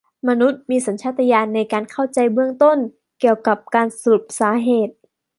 มนุษย์มีสัญชาตญาณในการเข้าใจเบื้องต้นเกี่ยวกับการสรุปสาเหตุ